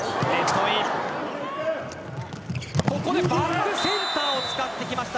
ここでバックセンターを使ってきました。